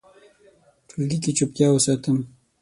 ټولګي کې چوپتیا وساتم.